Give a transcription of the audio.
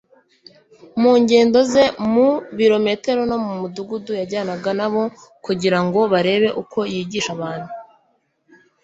Mu ngendo ze mu birorero no mu midugudu yajyanaga nabo, kugira ngo barebe uko yigisha abantu